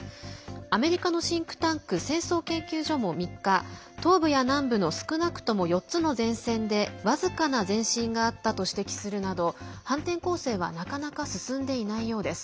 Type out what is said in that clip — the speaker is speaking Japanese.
アメリカのシンクタンク戦争研究所も３日東部や南部の少なくとも４つの前線で僅かな前進があったと指摘するなど、反転攻勢はなかなか進んでいないようです。